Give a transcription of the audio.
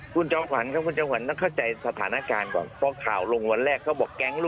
คุณจังหวันนะคุณจังหวันต้องเข้าใจสถานการณ์ก่อน